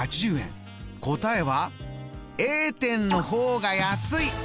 答えはＡ店の方が安いでした！